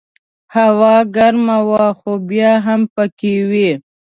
هوا ګرمه وه خو بیا هم پکې وې.